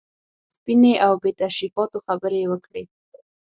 سپینې او بې تشریفاتو خبرې یې وکړې.